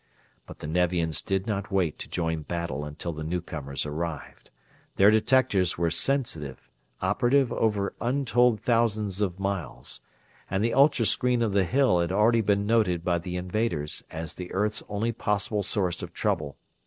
But the Nevians did not wait to join battle until the newcomers arrived. Their detectors were sensitive operative over untold thousands of miles and the ultra screen of the Hill had already been noted by the invaders as the earth's only possible source of trouble.